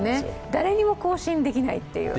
誰にも更新できないという。